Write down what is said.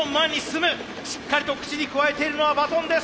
しっかりと口にくわえているのはバトンです。